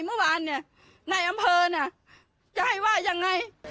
เมื่อวานในอำเภอจะให้ว่ายังไง